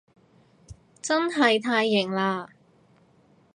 真係太型喇